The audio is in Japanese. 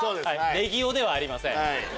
ネギ男ではありません。